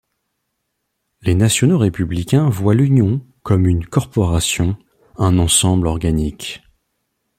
Les Nationaux-républicains voient l'Union comme une corporation, un ensemble organique.